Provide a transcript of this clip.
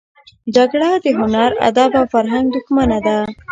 جګړه د هنر، ادب او فرهنګ دښمنه ده